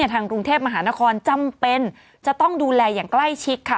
ทางกรุงเทพมหานครจำเป็นจะต้องดูแลอย่างใกล้ชิดค่ะ